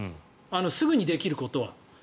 すぐにできることは。